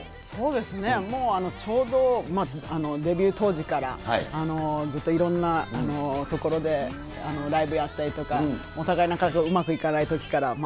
そうですね、もうちょうど、デビュー当時からずっといろんなところでライブやったりとか、お互いなかなかうまくいかないときから。